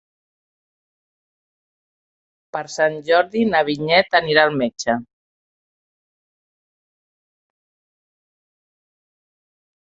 Per Sant Jordi na Vinyet anirà al metge.